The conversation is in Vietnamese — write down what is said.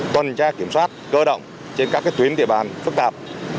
tuần tra kiểm soát cơ động trên các tuyến địa bàn phức tạp